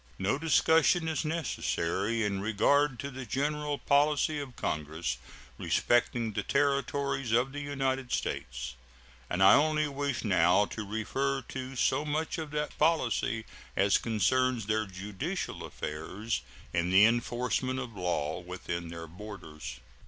No discussion is necessary in regard to the general policy of Congress respecting the Territories of the United States, and I only wish now to refer to so much of that policy as concerns their judicial affairs and the enforcement of law within their borders.